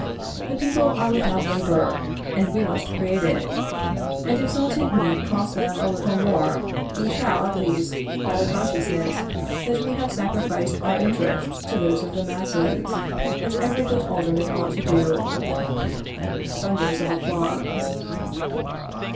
The people are without labor, and we must create it, and if salted meat costs them a little more, we shall, at least, have the consciousness that we have sacrificed our interests to those of the masses, as every good Alderman ought to do. [Thunders of applause.